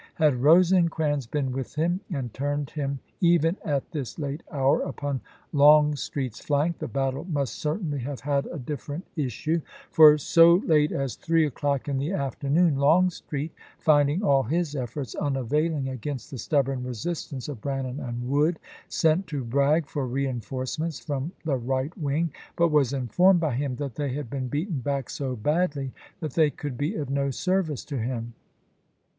Had Rosecrans been with him and turned him even at this late hour upon Longstreet's flank, the battle must certainly have had a different issue; for so late as three 1863. ' o'clock in the afternoon Longstreet, finding all his efforts unavailing against the stubborn resistance of Brannan and Wood, sent to Bragg for reenforce ments from the right wing, but was informed by him that they had been beaten back so badly that they could be of no service to him.